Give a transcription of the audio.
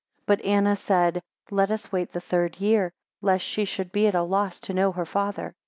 2 But Anna said, Let us wait the third year, lest she should be at a loss to know her father.